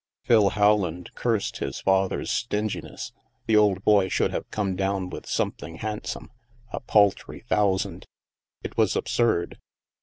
Phil Rowland cursed his father's stinginess; the old boy should have come down with something handsome! A paltry thousand! It was absurd.